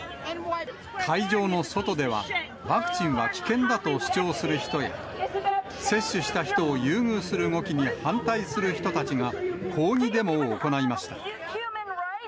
会場の外では、ワクチンは危険だと主張する人や、接種した人を優遇する動きに反対する人たちが、抗議デモを行いました。